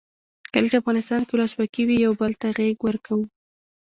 کله چې افغانستان کې ولسواکي وي یو بل ته غیږ ورکوو.